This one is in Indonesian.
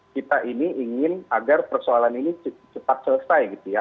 kita ini ingin agar persoalan ini cepat selesai gitu ya